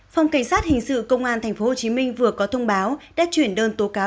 phòng cảnh sát hình sự công an tp hcm vừa có thông báo đã chuyển đơn tố cáo